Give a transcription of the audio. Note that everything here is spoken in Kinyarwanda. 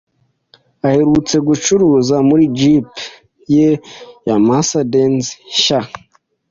Aherutse gucuruza muri jeep ye ya Mercedes nshya.